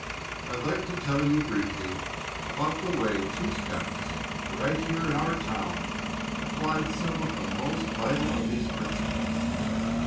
"I'd like to tell you briefly about the way two scouts right here in our own town applied some of the most vital of these principles.